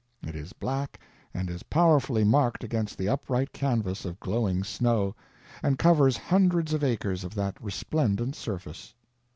It is black and is powerfully marked against the upright canvas of glowing snow, and covers hundreds of acres of that resplendent surface.